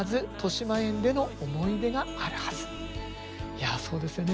いやそうですよね